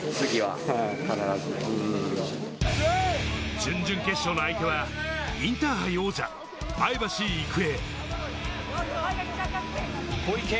準々決勝の相手はインターハイ王者・前橋育英。